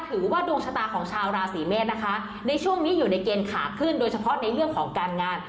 หรือว่าดวงชะตาของชาวราศีเมษนะคะในช่วงนี้อยู่ในเกณฑ์ขาขึ้นโดยเฉพาะในเรื่องของการงาน